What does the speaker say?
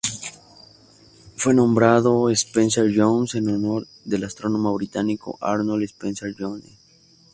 Fue nombrado Spencer Jones en honor del astrónomo británico Harold Spencer Jones.